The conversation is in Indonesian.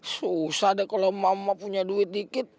susah deh kalo emak emak punya duit dikit